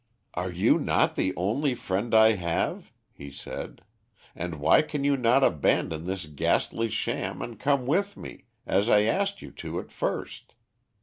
"Are you not the only friend I have," he said; "and why can you not abandon this ghastly sham and come with me, as I asked you to at first?